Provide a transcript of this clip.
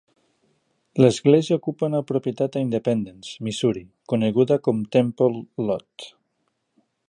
L'església ocupa una propietat a Independence, Missouri, coneguda com Temple Lot.